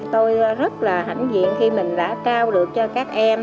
tôi rất là hãnh diện khi mình đã trao được cho các em